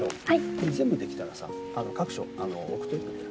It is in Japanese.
これ全部できたらさ各所送っといてくれる？